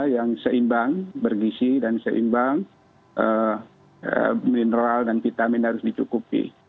yang seimbang bergisi dan seimbang mineral dan vitamin harus dicukupi